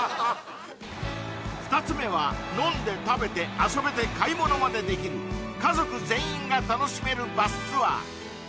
２つ目は飲んで食べて遊べて買い物までできる家族全員が楽しめるバスツアー